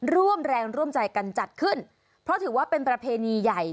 ร่วมแรงร่วมใจกันจัดขึ้นเพราะถือว่าเป็นประเพณีใหญ่